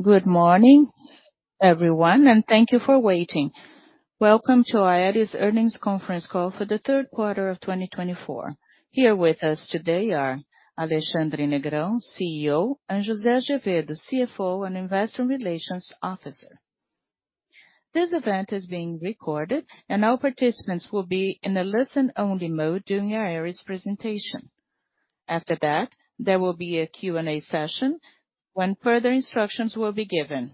Good morning, everyone, and thank you for waiting. Welcome to Aeris Earnings Conference Call for the Q3 of 2024. Here with us today are Alexandre Negrão, CEO, and José Azevedo, CFO and Investor Relations Officer. This event is being recorded, and all participants will be in a listen-only mode during Aeris' presentation. After that, there will be a Q&A session when further instructions will be given.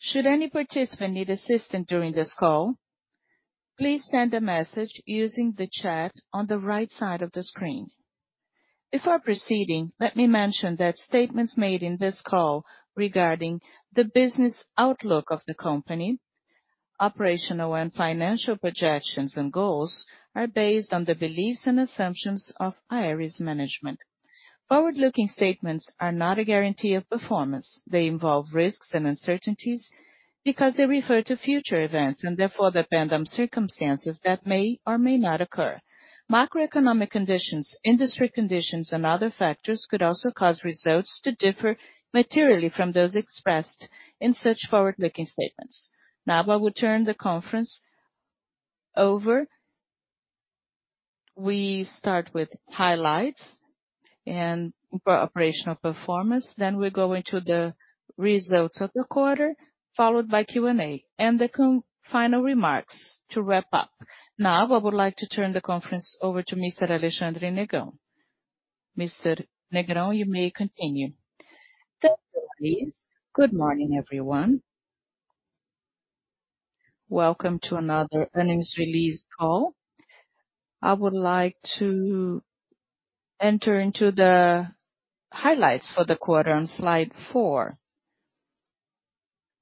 Should any participant need assistance during this call, please send a message using the chat on the right side of the screen. Before proceeding, let me mention that statements made in this call regarding the business outlook of the company, operational and financial projections, and goals are based on the beliefs and assumptions of Aeris Management. Forward-looking statements are not a guarantee of performance. They involve risks and uncertainties because they refer to future events and therefore depend on circumstances that may or may not occur. Macroeconomic conditions, industry conditions, and other factors could also cause results to differ materially from those expressed in such forward-looking statements. Now, I will turn the conference over. We start with highlights for operational performance. Then we go into the results of the quarter, followed by Q&A and the final remarks to wrap up. Now, I would like to turn the conference over to Mr. Alexandre Negrão. Mr. Negrão, you may continue. Thank you, Aeris. Good morning, everyone. Welcome to another earnings release call. I would like to enter into the highlights for the quarter on slide four.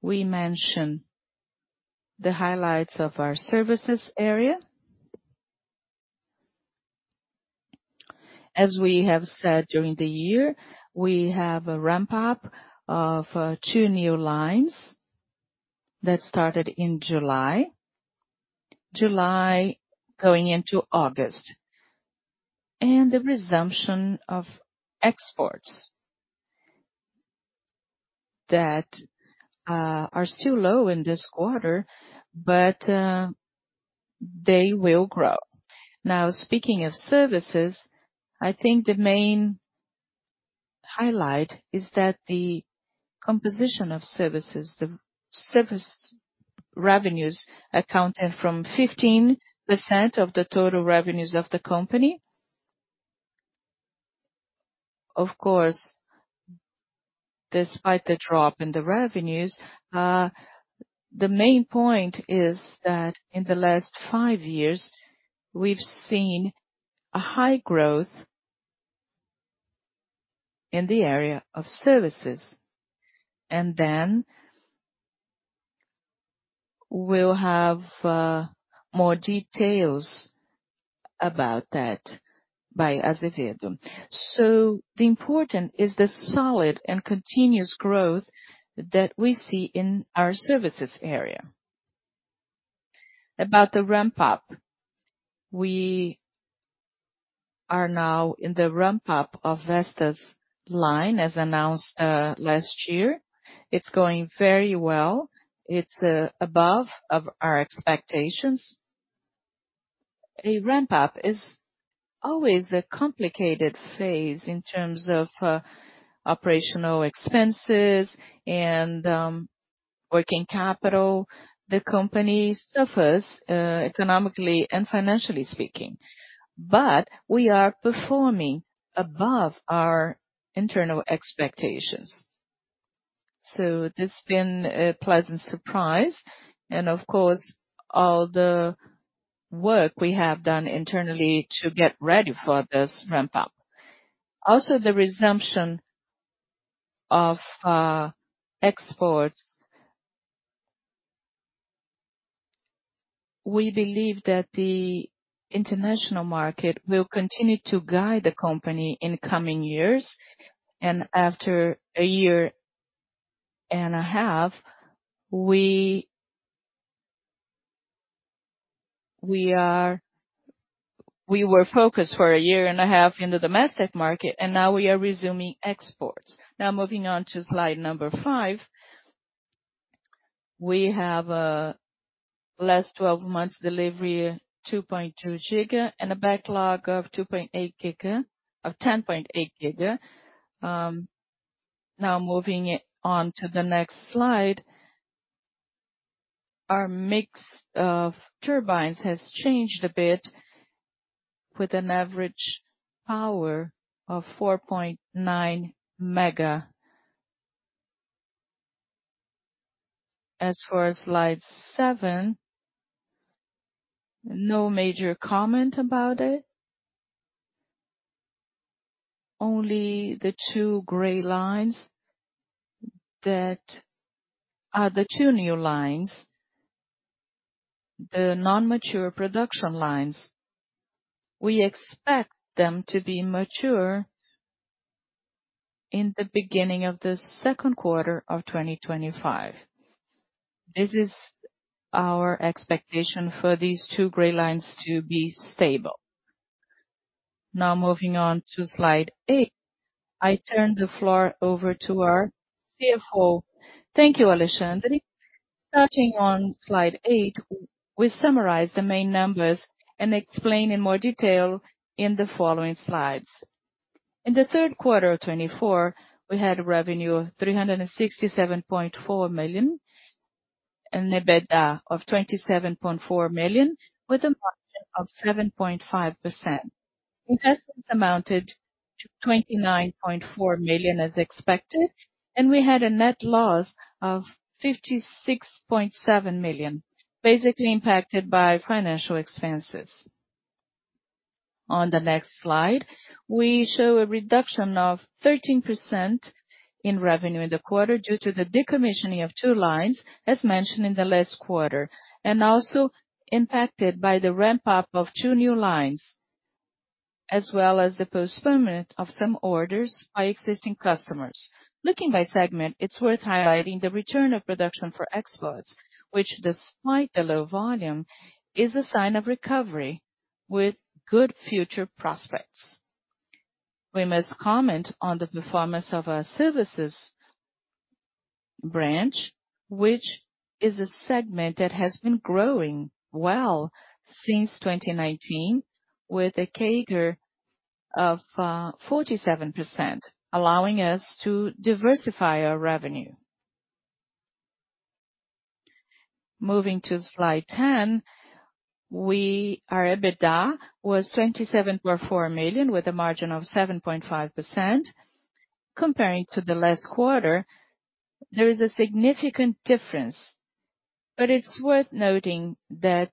We mention the highlights of our services area. As we have said during the year, we have a ramp-up of two new lines that started in July going into August, and the resumption of exports that are still low in this quarter, but they will grow. Now, speaking of services, I think the main highlight is that the composition of services, the service revenues accounting for 15% of the total revenues of the company. Of course, despite the drop in the revenues, the main point is that in the last five years, we've seen a high growth in the area of services, and then we'll have more details about that by Azevedo, so the important is the solid and continuous growth that we see in our services area. About the ramp-up, we are now in the ramp-up of Vestas line, as announced last year. It's going very well. It's above our expectations. A ramp-up is always a complicated phase in terms of operational expenses and working capital. The company suffers economically and financially speaking, but we are performing above our internal expectations, so this has been a pleasant surprise, and of course, all the work we have done internally to get ready for this ramp-up. Also, the resumption of exports. We believe that the international market will continue to guide the company in coming years, and after a year and a half, we were focused for a year and a half in the domestic market, and now we are resuming exports. Now, moving on to slide number five. We have less than 12 months delivery, 2.2 giga, and a backlog of 10.8 giga. Now, moving on to the next slide. Our mix of turbines has changed a bit with an average power of 4.9 mega. As far as slide seven, no major comment about it. Only the two gray lines that are the two new lines, the non-mature production lines. We expect them to be mature in the beginning of the Q2 of 2025. This is our expectation for these two gray lines to be stable. Now, moving on to slide eight, I turn the floor over to our CFO. Thank you, Alexandre. Starting on slide eight, we summarize the main numbers and explain in more detail in the following slides. In the Q3 of 2024, we had a revenue of 367.4 million and an EBITDA of 27.4 million with a margin of 7.5%. Investments amounted to 29.4 million as expected, and we had a net loss of 56.7 million, basically impacted by financial expenses. On the next slide, we show a reduction of 13% in revenue in the quarter due to the decommissioning of two lines, as mentioned in the last quarter, and also impacted by the ramp-up of two new lines, as well as the postponement of some orders by existing customers. Looking by segment, it's worth highlighting the return of production for exports, which, despite the low volume, is a sign of recovery with good future prospects. We must comment on the performance of our services branch, which is a segment that has been growing well since 2019 with a CAGR of 47%, allowing us to diversify our revenue. Moving to slide 10, our EBITDA was 27.4 million with a margin of 7.5%. Comparing to the last quarter, there is a significant difference, but it's worth noting that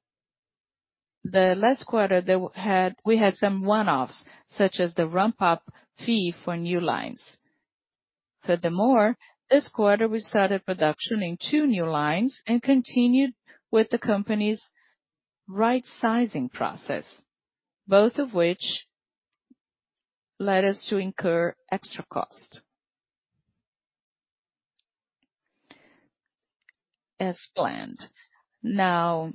the last quarter, we had some one-offs such as the ramp-up fee for new lines. Furthermore, this quarter, we started production in two new lines and continued with the company's right-sizing process, both of which led us to incur extra cost as planned. Now,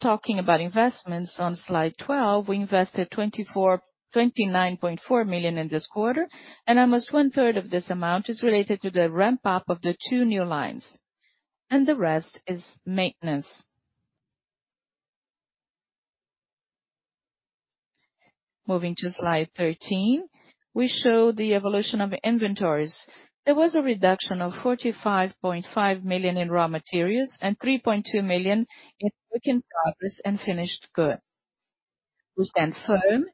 talking about investments on slide 12, we invested 29.4 million in this quarter, and almost one-third of this amount is related to the ramp-up of the two new lines, and the rest is maintenance. Moving to slide 13, we show the evolution of inventories. There was a reduction of 45.5 million in raw materials and 3.2 million in work in progress and finished goods. We stand firm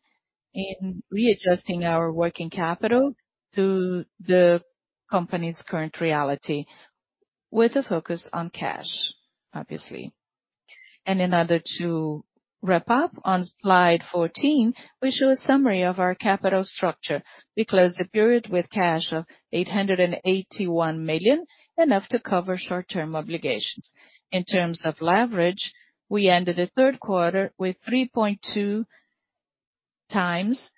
in readjusting our working capital to the company's current reality with a focus on cash, obviously. In order to wrap up, on slide 14, we show a summary of our capital structure. We closed the period with cash of 881 million, enough to cover short-term obligations. In terms of leverage, we ended the Q3 with 3.2 times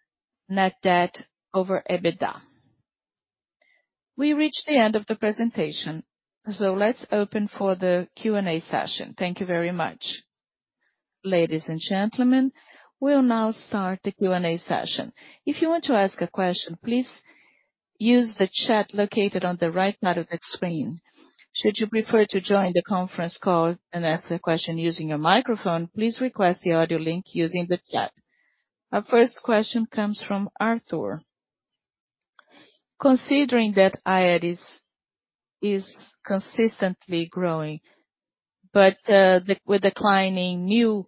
net debt over EBITDA. We reached the end of the presentation, so let's open for the Q&A session. Thank you very much. Ladies and gentlemen, we'll now start the Q&A session. If you want to ask a question, please use the chat located on the right side of the screen. Should you prefer to join the conference call and ask a question using your microphone, please request the audio link using the chat. Our first question comes from Arthur. Considering that Aeris is consistently growing but with declining new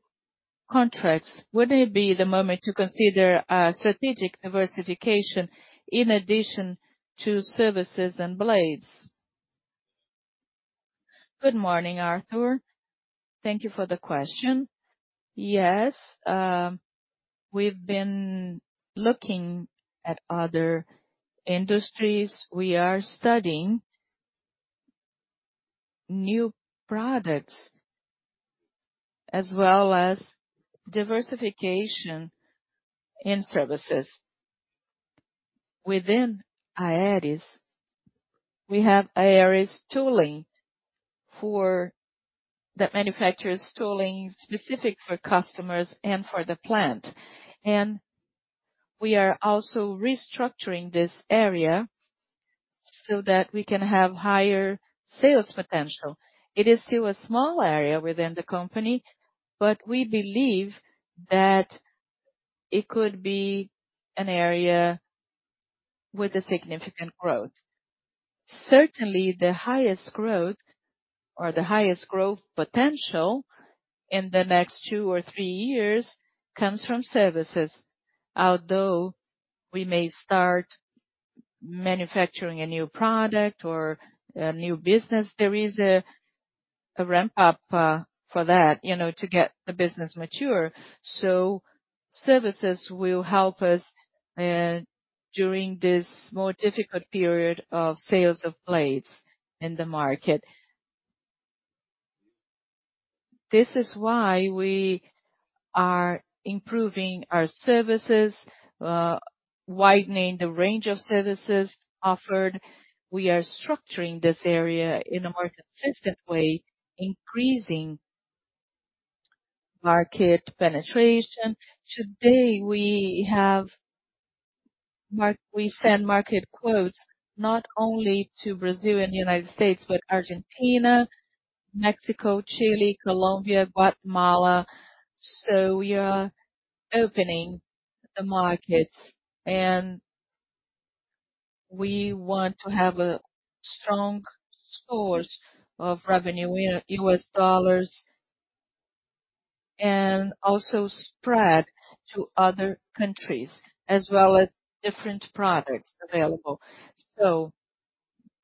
contracts, wouldn't it be the moment to consider strategic diversification in addition to services and blades? Good morning, Arthur. Thank you for the question. Yes, we've been looking at other industries. We are studying new products as well as diversification in services. Within Aeris, we have Aeris Tooling that manufactures tooling specific for customers and for the plant, and we are also restructuring this area so that we can have higher sales potential. It is still a small area within the company, but we believe that it could be an area with significant growth. Certainly, the highest growth or the highest growth potential in the next two or three years comes from services. Although we may start manufacturing a new product or a new business, there is a ramp-up for that to get the business mature, so services will help us during this more difficult period of sales of blades in the market. This is why we are improving our services, widening the range of services offered. We are structuring this area in a more consistent way, increasing market penetration. Today, we send market quotes not only to Brazil and the United States, but Argentina, Mexico, Chile, Colombia, Guatemala, so we are opening the markets, and we want to have a strong source of revenue in US dollars and also spread to other countries as well as different products available,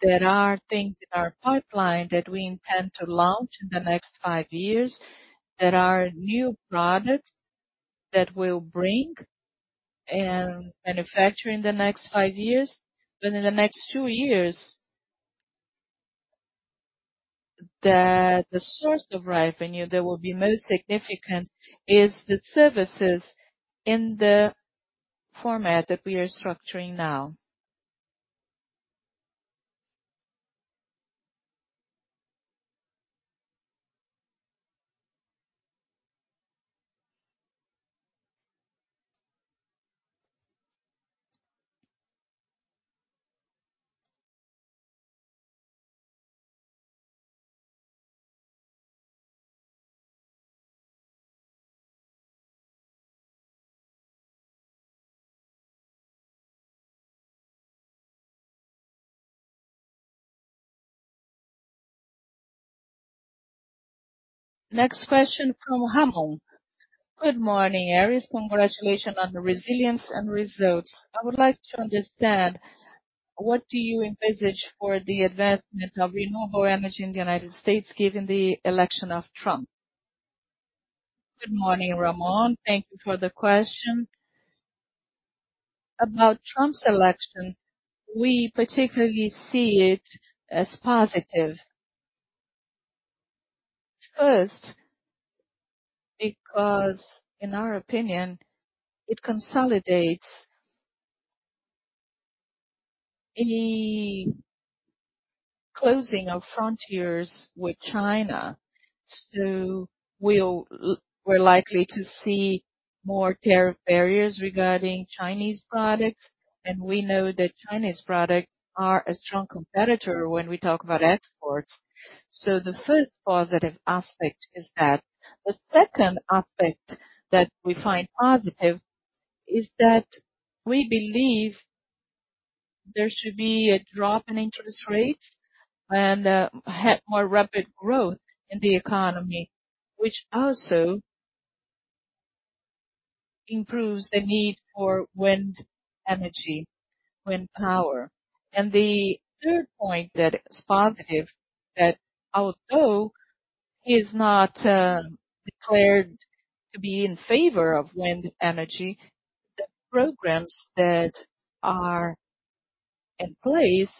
so there are things in our pipeline that we intend to launch in the next five years that are new products that we'll bring and manufacture in the next five years. But in the next two years, the source of revenue that will be most significant is the services in the format that we are structuring now. Next question from Ramon. Good morning, Aeris. Congratulations on the resilience and results. I would like to understand what do you envisage for the advancement of renewable energy in the United States given the election of Trump? Good morning, Ramon. Thank you for the question. About Trump's election, we particularly see it as positive. First, because in our opinion, it consolidates a closing of frontiers with China. So we're likely to see more tariff barriers regarding Chinese products, and we know that Chinese products are a strong competitor when we talk about exports. So the first positive aspect is that. The second aspect that we find positive is that we believe there should be a drop in interest rates and more rapid growth in the economy, which also improves the need for wind energy, wind power. The third point that is positive is that although he is not declared to be in favor of wind energy, the programs that are in place.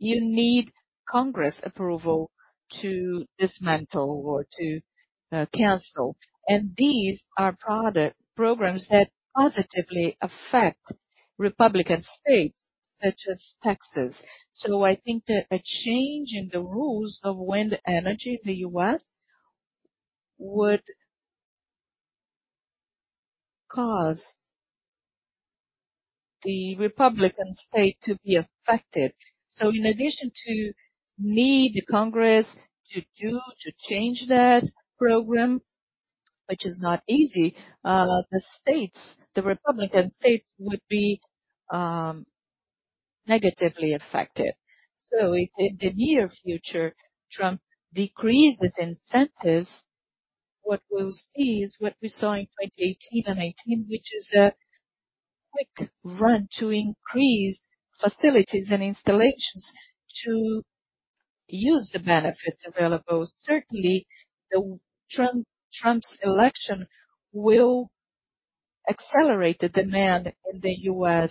You need Congress approval to dismantle or to cancel. And these are programs that positively affect Republican states such as Texas. So I think that a change in the rules of wind energy in the U.S. would cause the Republican state to be affected. So in addition to need the Congress to do to change that program, which is not easy, the Republican states would be negatively affected. So in the near future, Trump decreases incentives. What we'll see is what we saw in 2018 and 2018, which is a quick run to increase facilities and installations to use the benefits available. Certainly, Trump's election will accelerate the demand in the U.S.,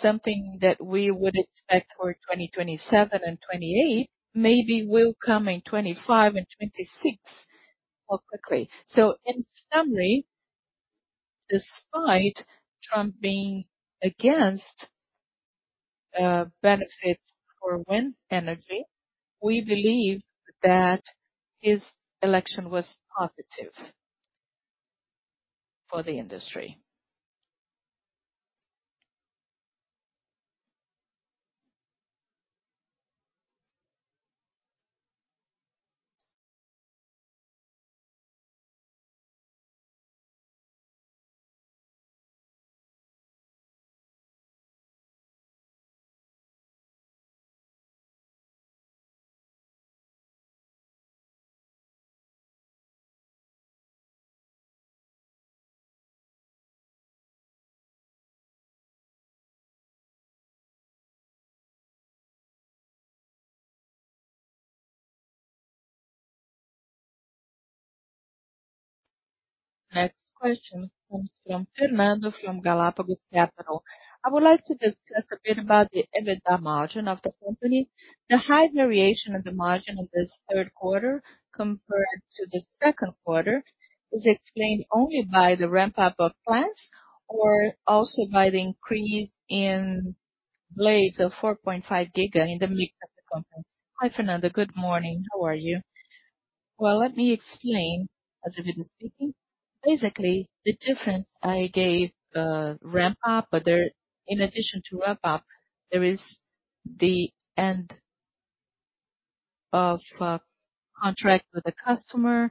something that we would expect for 2027 and 2028. Maybe we'll come in 2025 and 2026 more quickly. So in summary, despite Trump being against benefits for wind energy, we believe that his election was positive for the industry. Next question comes from Fernando from Galapagos Capital. I would like to discuss a bit about the EBITDA margin of the company. The high variation in the margin in this Q3 compared to the Q2 is explained only by the ramp-up of plants or also by the increase in blades of 4.5 gig in the mix of the company. Hi, Fernando. Good morning. How are you? Well, let me explain as if it is speaking. Basically, the difference I gave ramp-up, but in addition to ramp-up, there is the end of contract with the customer.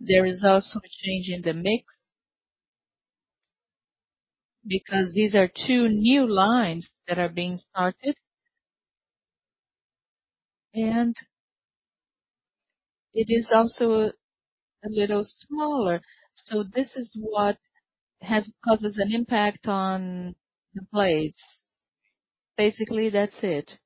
There is also a change in the mix because these are two new lines that are being started, and it is also a little smaller. So this is what causes an impact on the blades. Basically, that's it.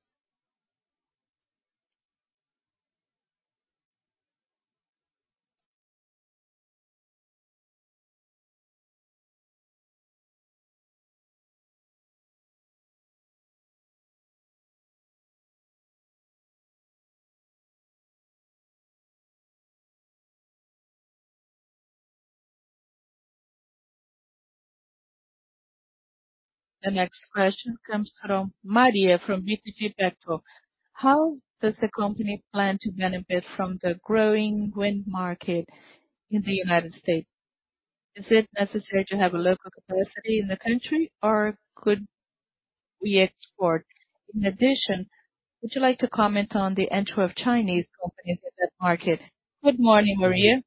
The next question comes from Maria from BTG Pactual. How does the company plan to benefit from the growing wind market in the United States? Is it necessary to have a local capacity in the country, or could we export? In addition, would you like to comment on the entry of Chinese companies in that market? Good morning, Maria.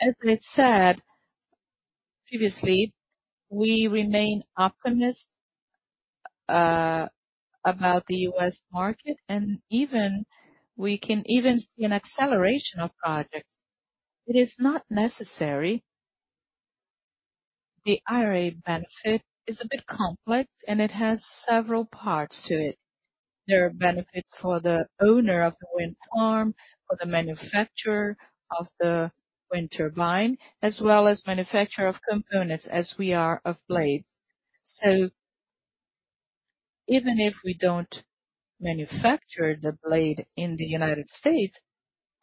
As I said previously, we remain optimistic about the US market, and we can even see an acceleration of projects. It is not necessary. The IRA benefit is a bit complex, and it has several parts to it. There are benefits for the owner of the wind farm, for the manufacturer of the wind turbine, as well as manufacturer of components, as we are of blades. So even if we don't manufacture the blade in the United States,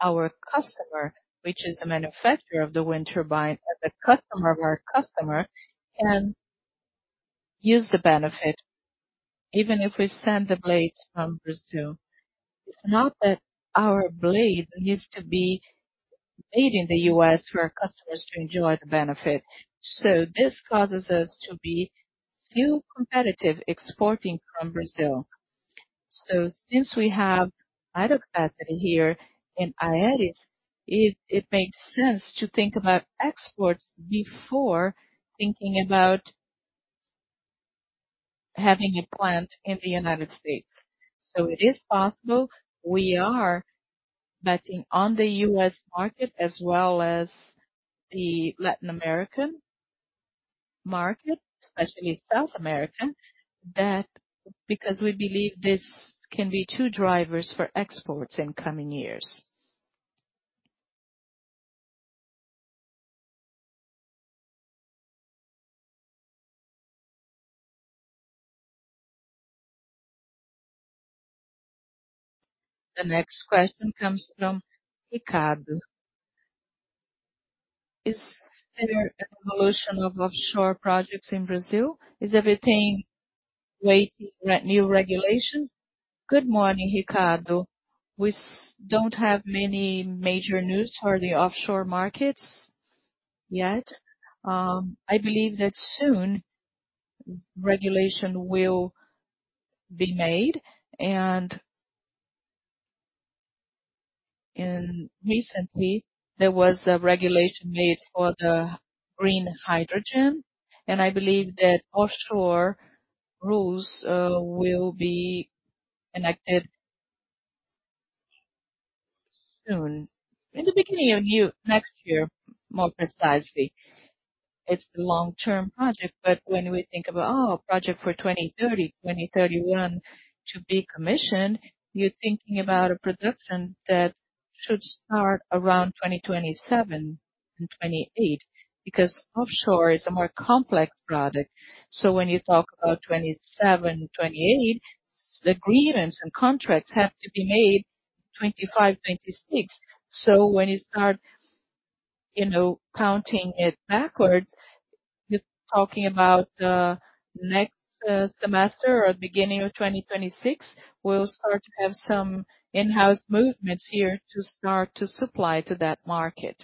our customer, which is the manufacturer of the wind turbine and the customer of our customer, can use the benefit even if we send the blades from Brazil. It's not that our blade needs to be made in the U.S. for our customers to enjoy the benefit. So this causes us to be still competitive exporting from Brazil. So since we have idle capacity here in Aeris, it makes sense to think about exports before thinking about having a plant in the United States. So it is possible. We are betting on the US market as well as the Latin American market, especially South America, because we believe this can be two drivers for exports in coming years. The next question comes from Ricardo. Is there an evolution of offshore projects in Brazil? Is everything waiting for new regulation? Good morning, Ricardo. We don't have many major news for the offshore markets yet. I believe that soon regulation will be made. Recently, there was a regulation made for the green hydrogen, and I believe that offshore rules will be enacted soon, in the beginning of next year, more precisely. It's a long-term project, but when we think about project for 2030, 2031 to be commissioned, you're thinking about a production that should start around 2027 and 2028 because offshore is a more complex product. So when you talk about 2027, 2028, agreements and contracts have to be made 2025, 2026. So when you start counting it backwards, you're talking about next semester or the beginning of 2026. We'll start to have some in-house movements here to start to supply to that market.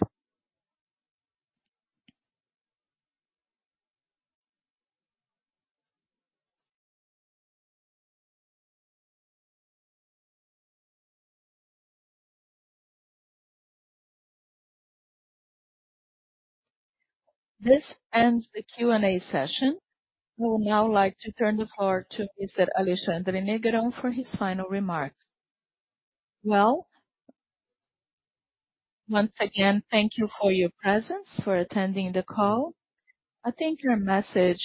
This ends the Q&A session. I would now like to turn the floor to Mr. Alexandre Negrão for his final remarks. Well, once again, thank you for your presence, for attending the call. I think your message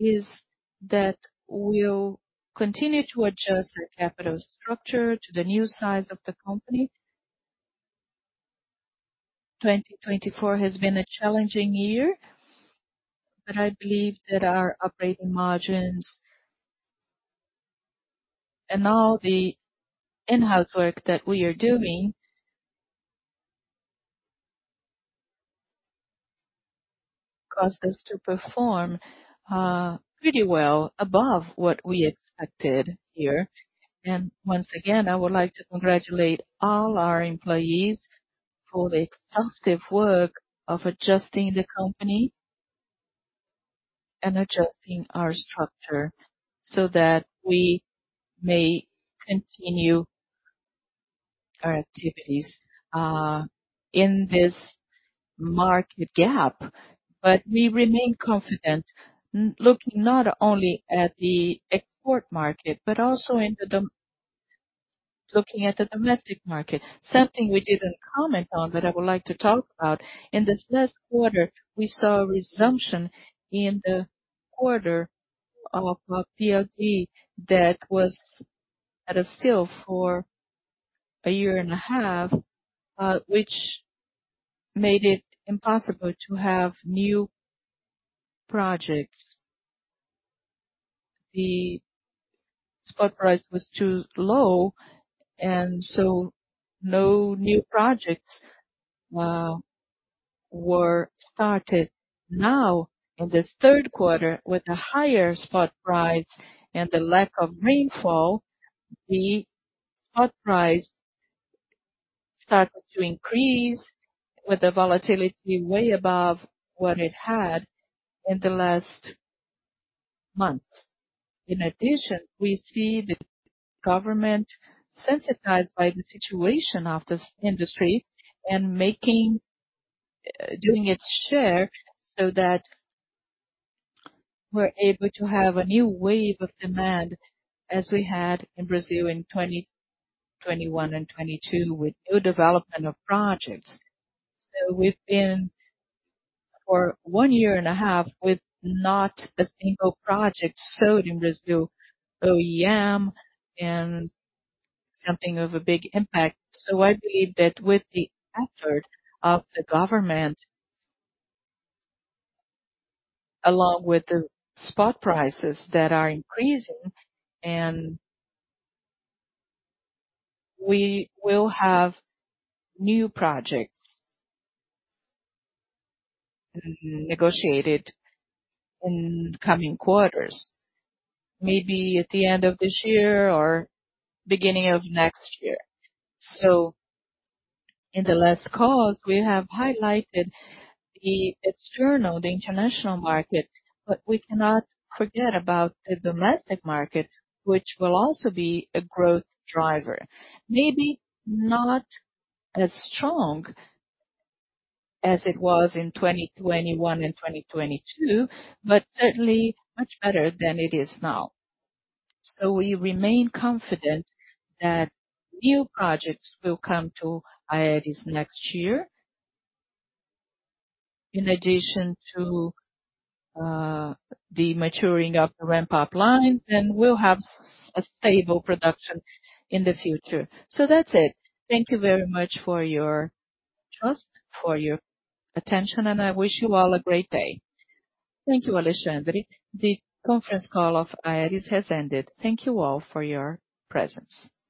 is that we'll continue to adjust our capital structure to the new size of the company. 2024 has been a challenging year, but I believe that our operating margins and all the in-house work that we are doing caused us to perform pretty well above what we expected here. Once again, I would like to congratulate all our employees for the exhaustive work of adjusting the company and adjusting our structure so that we may continue our activities in this market gap. We remain confident, looking not only at the export market, but also looking at the domestic market. Something we didn't comment on, but I would like to talk about. In this last quarter, we saw a resumption in the order of PLD that was at a standstill for a year and a half, which made it impossible to have new projects. The spot price was too low, and so no new projects were started. Now, in this Q3, with a higher spot price and the lack of rainfall, the spot price started to increase with the volatility way above what it had in the last months. In addition, we see the government sensitized by the situation of this industry and doing its share so that we're able to have a new wave of demand as we had in Brazil in 2021 and 2022 with new development of projects. So we've been for one year and a half with not a single project sold in Brazil, OEM, and something of a big impact. So I believe that with the effort of the government, along with the spot prices that are increasing, and we will have new projects negotiated in coming quarters, maybe at the end of this year or beginning of next year. So in the last calls, we have highlighted the external, the international market, but we cannot forget about the domestic market, which will also be a growth driver. Maybe not as strong as it was in 2021 and 2022, but certainly much better than it is now. So we remain confident that new projects will come to Aeris next year. In addition to the maturing of the ramp-up lines, then we'll have a stable production in the future. So that's it. Thank you very much for your trust, for your attention, and I wish you all a great day. Thank you, Alexandre. The conference call of Aeris has ended. Thank you all for your presence.